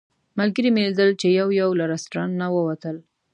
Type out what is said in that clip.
ملګري مې لیدل چې یو یو له رسټورانټ نه ووتل.